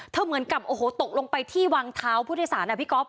เหมือนกับโอ้โหตกลงไปที่วางเท้าผู้โดยสารอ่ะพี่ก๊อฟ